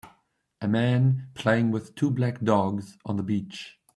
a man playing with two black dogs on the beach